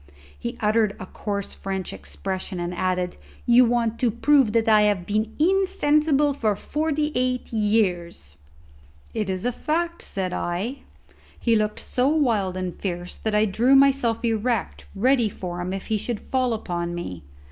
He uttered a coarse French expression and added, "You want to prove that I have been insensible for forty eight years." "It is the fact," said I. He looked so wild and fierce that I drew myself erect ready for him if he should fall upon me.